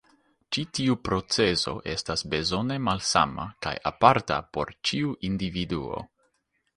Ĉi tiu procezo estas bezone malsama kaj aparta por ĉiu individuo.